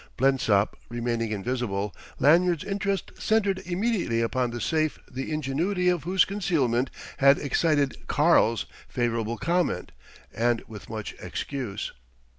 Blensop remaining invisible, Lanyard's interest centred immediately upon the safe the ingenuity of whose concealment had excited "Karl's" favourable comment, and with much excuse.